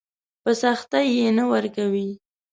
په سختي يې نه ورکوي.